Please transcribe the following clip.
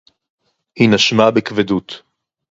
הִיא נְשָׁמָה בִּכְבֵדוּת.